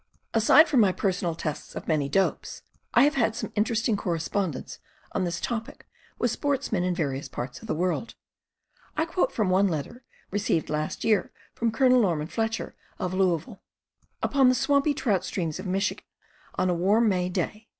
Aside from my personal tests of many dopes, I have had some interesting correspondence on this topic with sportsmen in various parts of the world. I quote from one letter, received last year from Col. Norman Fletcher of Louisville: Upon the swampy trout streams of Michigan on a warm May day